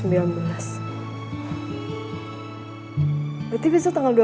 berarti besok tanggal dua puluh